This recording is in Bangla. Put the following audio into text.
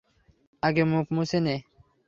আগে মুখ মুছে নে।